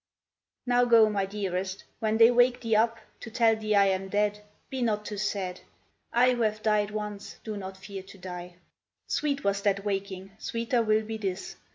Now go, my dearest. When they wake thee up, To tell thee I am dead, be not too sad. I, who have died once, do not fear to die. Sweet was that waking, sweeter will be this.